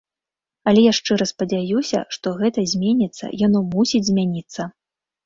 Але я шчыра спадзяюся, што гэта зменіцца, яно мусіць змяніцца.